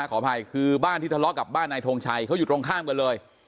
ขออภัยคือบ้านที่ทะเลาะกับบ้านนายทงชัยเขาอยู่ตรงข้ามกันเลย